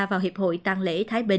vào hiệp hội tăng lễ